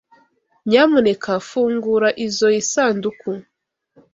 Nyamuneka fungura izoi sanduku.